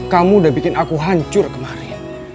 kamu udah bikin aku hancur kemarin